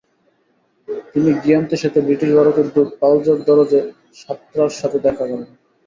তিনি গিয়ান্তসেতে ব্রিটিশ ভারতের দূত পালজর দরজে শাত্রার সাথে দেখা করেন।